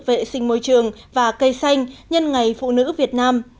vệ sinh môi trường và cây xanh nhân ngày phụ nữ việt nam